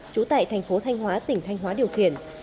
chú tại tp thanh hóa tỉnh thanh hóa điều kiển